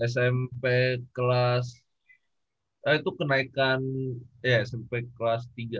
smp kelas itu kenaikan ya smp kelas tiga kayaknya